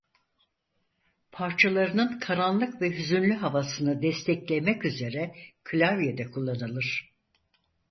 Parçalarının karanlık ve hüzünlü havasını desteklemek üzere klavye de kullanılır.